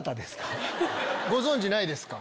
ご存じないですか？